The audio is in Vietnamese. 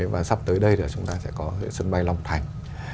và sắp tới đây là chúng ta sẽ có sân bay long thành